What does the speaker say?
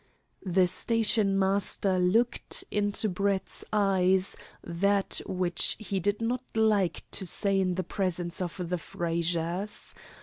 The stationmaster looked into Brett's eyes that which he did not like to say in the presence of the Frazers.